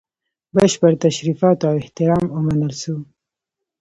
بشپړو تشریفاتو او احترام ومنل سو.